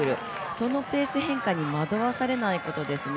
そのペース変化に惑わされないことですね。